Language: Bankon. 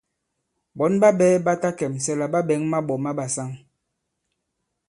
Ɓɔ̌n ɓa ɓɛ̄ ɓa ta kɛ̀msɛ la ɓa ɓɛ̌ŋ maɓɔ̀ ma ɓàsaŋ.